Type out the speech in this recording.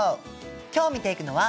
今日見ていくのは目標